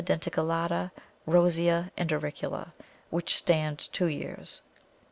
denticulata_, rosea, and auricula, which stand two years.